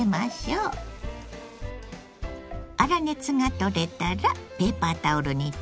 粗熱がとれたらペーパータオルにとって水けを拭きます。